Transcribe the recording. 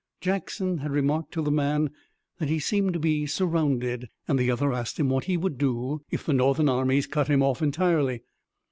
Jackson had remarked to the man that he seemed to be surrounded, and the other asked what he would do if the Northern armies cut him off entirely.